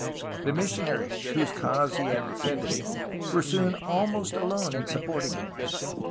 The missionaries, whose cause he had defended, were soon almost alone in supporting him.